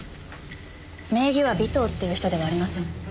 名義は尾藤っていう人ではありません。